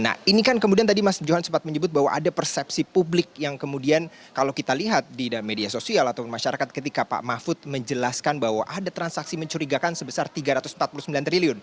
nah ini kan kemudian tadi mas johan sempat menyebut bahwa ada persepsi publik yang kemudian kalau kita lihat di media sosial atau masyarakat ketika pak mahfud menjelaskan bahwa ada transaksi mencurigakan sebesar rp tiga ratus empat puluh sembilan triliun